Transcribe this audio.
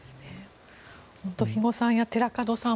本当に肥後さんや寺門さん